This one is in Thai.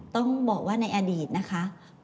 ต้องบอกว่าในอดีตนะคะ